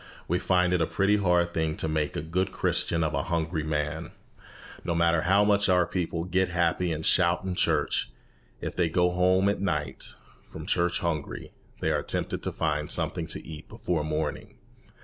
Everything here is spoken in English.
We find it a pretty hard thing to make a good Christian of a hungry man. No matter how much our people "get happy" and "shout" in church, if they go home at night from church hungry, they are tempted to find something to eat before morning.